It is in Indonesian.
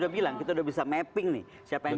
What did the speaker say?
udah bilang kita udah bisa mapping nih siapa yang